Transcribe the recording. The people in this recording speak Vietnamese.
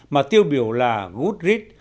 mà tiêu biểu là goodreads